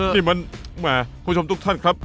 นี่มันแหมคุณผู้ชมทุกท่านครับ